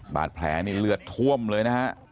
บาดแผลนี่เลือดท่วมเลยนะฮะ